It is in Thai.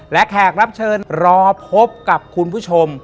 และแขกรับเชิญรอพบกับคุณผู้ชม